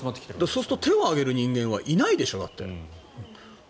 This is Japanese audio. そうすると手を挙げる人間はいないでしょ？